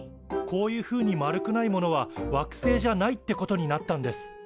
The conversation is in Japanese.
こういうふうに丸くないものは惑星じゃないってことになったんです。